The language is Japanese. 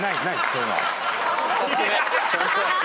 そういうのは。